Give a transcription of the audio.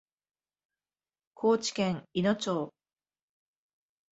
高知県いの町